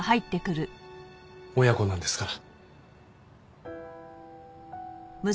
親子なんですから。